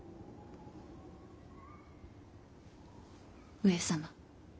上様。